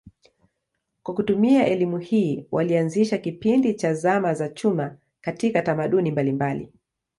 Kwa kutumia elimu hii walianzisha kipindi cha zama za chuma katika tamaduni mbalimbali.